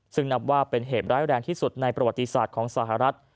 ซึ่งนับว่าเป็นเหตุร้ายแรงที่สุดในประวัติศาสตร์ของสหรัฐ